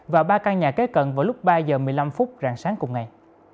và ba căn nhà kế cận vào lúc ba h một mươi năm phút rạng sáng cùng ngày